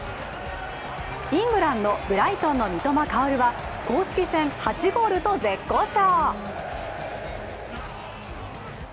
イングランド・ブライトンの三笘薫は公式戦８ゴールと絶好調。